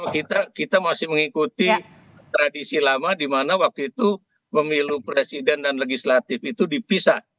kita masih mengikuti tradisi lama di mana waktu itu pemilu presiden dan legislatif itu dipisah